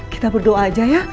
kita berdoa aja ya